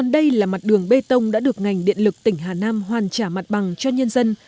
đây là mặt đường bê tông đã được ngành điện lực tỉnh hà nam hoàn trả mặt bằng cho nhân dân